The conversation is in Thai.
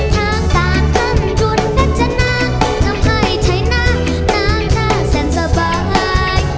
ทางต่างทั้งจุนแพทย์จะนักทำให้ใช้หน้าน้างหน้าแสนสบาย